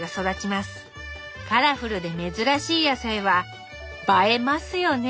カラフルで珍しい野菜は映えますよね。